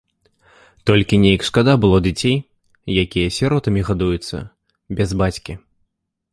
Толькі неяк шкада было дзяцей, якія сіротамі гадуюцца, без бацькі.